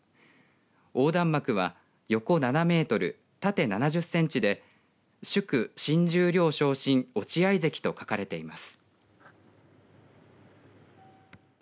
横断幕は横７メートル縦７０センチで祝新十両昇進落合関と書かれています。